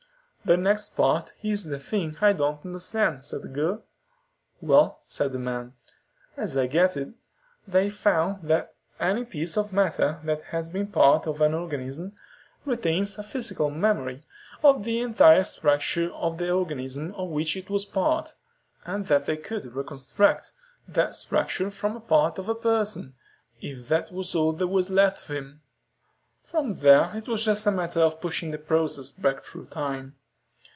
"The next part is the thing I don't understand," the girl said. "Well," said the man, "as I get it, they found that any piece of matter that has been part of an organism, retains a physical 'memory' of the entire structure of the organism of which it was part. And that they could reconstruct that structure from a part of a person, if that was all there was left of him. From there it was just a matter of pushing the process back through time.